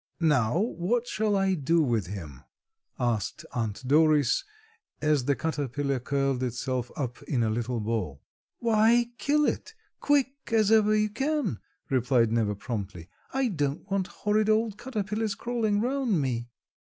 "Now what shall I do with him?" asked Aunt Doris as the caterpillar curled itself up in a little ball. "Why, kill it, quick as ever you can," replied Neva promptly, "I don't want horrid old caterpillars crawling 'round me."